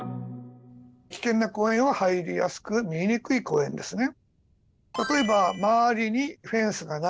危険な公園は入りやすく見にくい公園ですね。